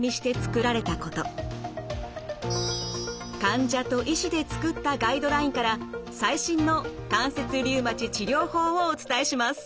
患者と医師で作ったガイドラインから最新の関節リウマチ治療法をお伝えします。